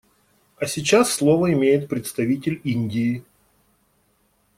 А сейчас слово имеет представитель Индии.